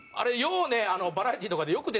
バラエティーとかでよく出てくるんですよ。